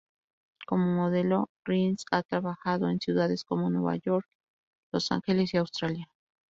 Como modelo Rhys ha trabajado en ciudades como Nueva York, Los Ángeles y Australia.